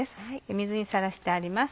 水にさらしてあります。